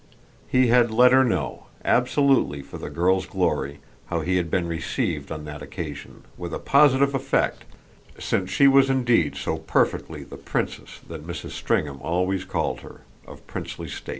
He had let her know, absolutely for the girl's glory, how he had been received on that occasion: with a positive effect since she was indeed so perfectly the princess that Mrs. Stringham always called her of princely state.